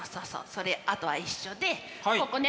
それあとは一緒でここね。